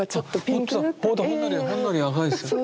ほんのり赤いです。